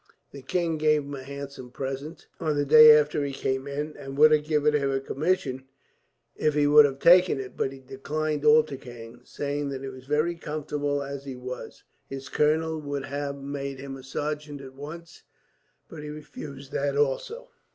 The king gave him a handsome present, on the day after he came in; and would have given him a commission, if he would have taken it, but he declined altogether, saying that he was very comfortable as he was. His colonel would have made him a sergeant at once, but he refused that also.